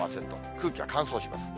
空気は乾燥します。